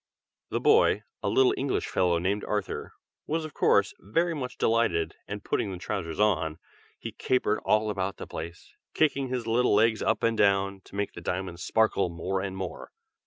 The boy, a little English fellow named Arthur, was of course, very much delighted, and putting the trousers on, he capered all about the palace, kicking his little legs up and down, to make the diamonds sparkle more and more.